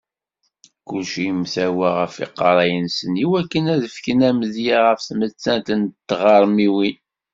Kulci yemtawa ɣef yiqerra-nsen iwakken ad fken amedya ɣef tmettant n tɣermiwin.